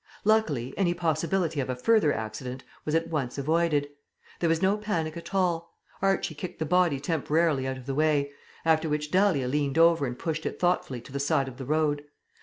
Luckily any possibility of a further accident was at once avoided. There was no panic at all. Archie kicked the body temporarily out of the way; after which Dahlia leant over and pushed it thoughtfully to the side of the road.